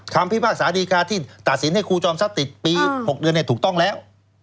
พิพากษาดีการที่ตัดสินให้ครูจอมทรัพย์ติดปี๖เดือนถูกต้องแล้ว